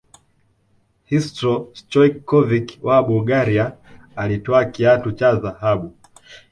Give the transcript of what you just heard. hristo stoichkovic wa bulgaria alitwaa kiatu cha dhahabu